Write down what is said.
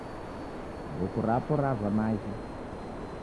Nguku rapo rava maghi